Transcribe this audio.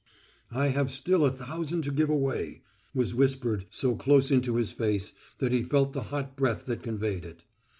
"I have still a thousand to give away," was whispered so close into his face that he felt the hot breath that conveyed it.